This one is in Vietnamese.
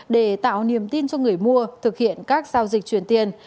để tạo niềm tin cho người mua thực hiện các giao dịch truyền tiền